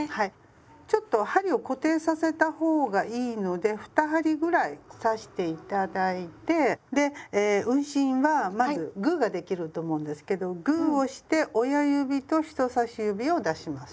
ちょっと針を固定させた方がいいので２針ぐらい刺して頂いてで運針はまずグーができると思うんですけどグーをして親指と人さし指を出します。